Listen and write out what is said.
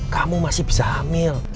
kamu masih bisa hamil